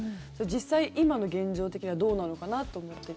実際、今の現状的にはどうなのかなと思って。